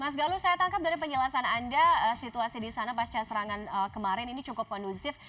mas galuh saya tangkap dari penjelasan anda situasi di sana pasca serangan kemarin ini cukup kondusif